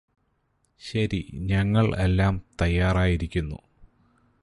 ശരി ഞങ്ങൾ എല്ലാം തയ്യാറായിരിക്കുന്നു